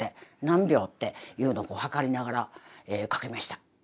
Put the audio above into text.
何秒っていうのを計りながら書きました。